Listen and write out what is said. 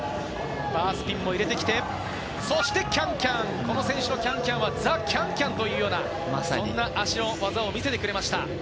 バースピンも入れてきてそしてキャンキャン、この選手のキャンキャンはザ・キャンキャンというような、そんな足の技を見せてくれました。